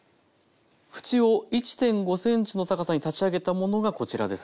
縁を１．５ｃｍの高さに立ち上げたものがこちらです。